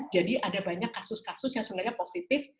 jadi ada banyak kasus kasus yang sebenarnya positif